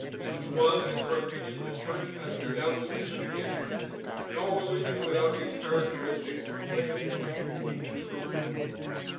Such was, in her opinion, the Church as established in the beginning, and no religion without these characteristics could lay any claim to being the true one.